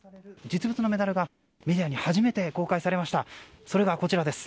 実物のメダルがメディアに初めて公開されました。